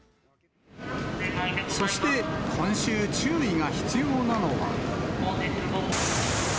そして、今週注意が必要なのは。